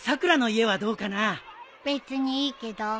別にいいけど。